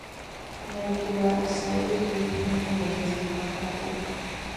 Nebula sided with him against her father.